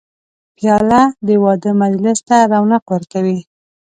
پیاله د واده مجلس ته رونق ورکوي.